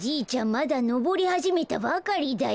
まだのぼりはじめたばかりだよ。